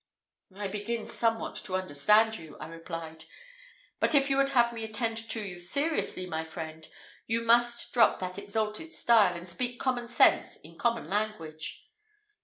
"I begin somewhat to understand you," I replied; "but if you would have me attend to you seriously, my friend, you must drop that exalted style, and speak common sense in common language."